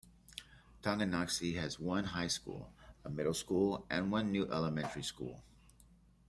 Tonganoxie has one high school, a middle school, and one new elementary school.